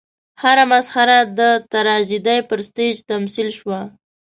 هره مسخره د تراژیدۍ پر سټېج تمثیل شوه.